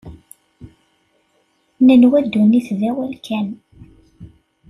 Nenwa ddunit d awal kan.